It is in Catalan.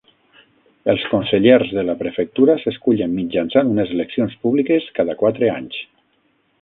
Els consellers de la prefectura s'escullen mitjançant unes eleccions públiques cada quatre anys.